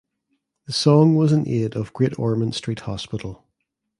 The song was in aid of Great Ormond Street Hospital.